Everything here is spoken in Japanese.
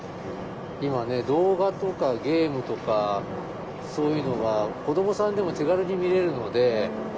今ね動画とかゲームとかそういうのが子どもさんでも手軽に見れるので。